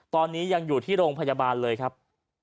ตอนนี้ยังอยู่ที่โรงพยาบาลเลยครับ